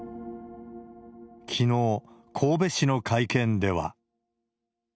きのう、神戸市の会見では。